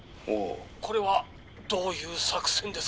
これはどういう作戦ですか？」。